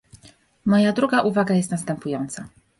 Moja druga uwaga jest następująca